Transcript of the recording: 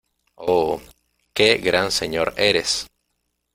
¡ oh, qué gran señor eres!